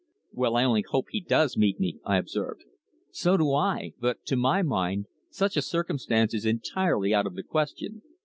"Well, I only hope he does meet me," I observed. "So do I. But to my mind such a circumstance is entirely out of the question.